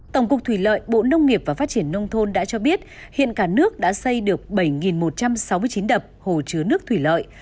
tổng cục thủy lợi bộ nông nghiệp và phát triển nông thôn đã cho biết hiện cả nước đã xây được bảy một trăm sáu mươi chín đập hồ chứa nước thủy lợi